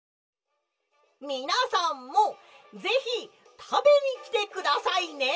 「みなさんもぜひたべにきてくださいね」。